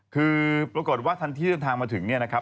คือปรากฏว่าทันที่เดินทางมาถึงเนี่ยนะครับ